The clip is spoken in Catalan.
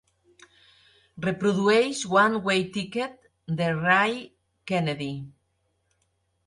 Reprodueix One Way Ticket de Ray Kennedy.